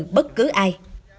không từ bất cứ ai